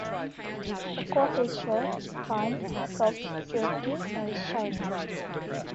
The coat is short, fine, soft, silky, and shiny.